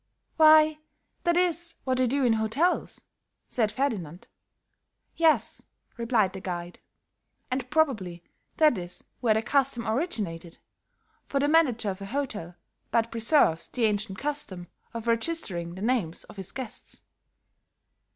"Why, that is what they do in hotels!" said Ferdinand. "Yes," replied the guide, "and probably that is where the custom originated, for the manager of a hotel but preserves the ancient custom of registering the names of his guests."